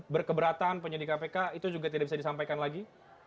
berkeberatan penyelidikan pkp itu juga tidak bisa disampaikan lagi